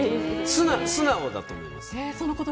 素直だと思います。